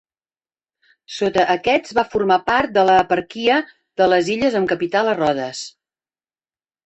Sota aquests va formar part de l'eparquia de les illes amb capital a Rodes.